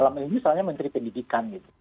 misalnya dalam menteri pendidikan